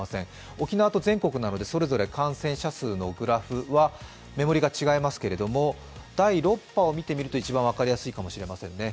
沖縄と全国なので、それぞれ感染者数のグラフは目盛りが違いますけれども第６波をみてみると一番分かりやすいかもしれませんね。